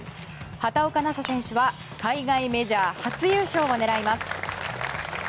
畑岡奈紗選手は海外メジャー初優勝を狙います。